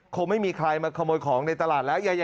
คงไม่มีใครมาขโมยของในตลาดแล้ว